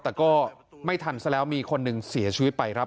แต่ก็ไม่ทันซะแล้วมีคนหนึ่งเสียชีวิตไปครับ